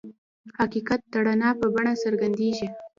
حقیقت د رڼا په بڼه څرګندېږي.